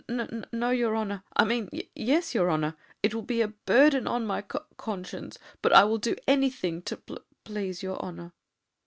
"N n o, your honour! I mean y yes, your honour! It will be a burden on my con conscience, but I will do anything to pl please your honour."